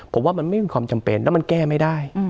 ผมว่ามันไม่มีความจำเป็นแล้วมันแก้ไม่ได้